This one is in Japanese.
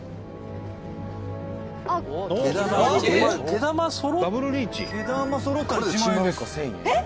「毛玉」「毛玉そろったら１万円です」